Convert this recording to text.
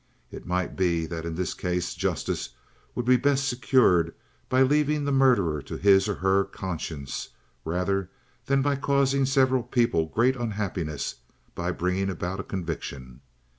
It might be that in this case justice would be best secured by leaving the murderer to his, or her, conscience rather than by causing several people great unhappiness by bringing about a conviction.